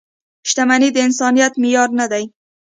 • شتمني د انسانیت معیار نه دی.